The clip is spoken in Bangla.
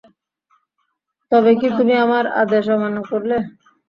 তবে কি তুমি আমার আদেশ অমান্য করলে?